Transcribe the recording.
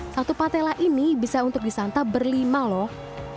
satu patella ini bisa untuk disantap berlima loh